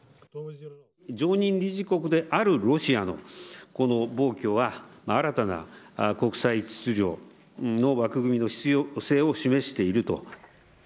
常任理事国であるロシアの、この暴挙は新たな国際秩序の枠組みの必要性を示していると。